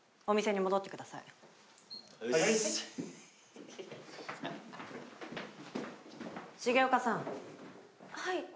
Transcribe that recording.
お店に戻ってください。